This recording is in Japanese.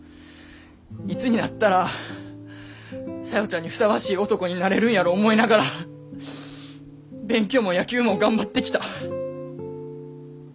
いつになったら小夜ちゃんにふさわしい男になれるんやろ思いながら勉強も野球も頑張ってきた。